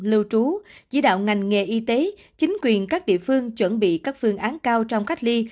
lưu trú chỉ đạo ngành nghề y tế chính quyền các địa phương chuẩn bị các phương án cao trong cách ly